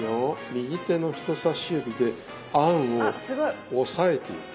右手の人さし指で餡を押さえていく。